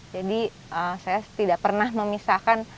jadi saya tidak pernah memisahkan